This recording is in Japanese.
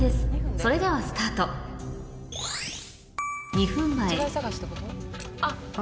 それではスタート２分前あっ。